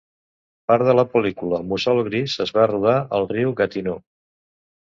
Part de la pel·lícula "Mussol Gris" es va rodar al riu Gatineau.